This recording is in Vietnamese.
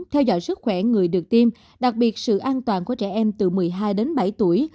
theo dõi sức khỏe người được tiêm đặc biệt sự an toàn của trẻ em từ một mươi hai đến bảy tuổi